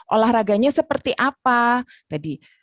olahraganya seperti apa